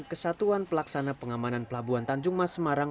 kesatuan pelaksana pengamanan pelabuhan tanjung mas semarang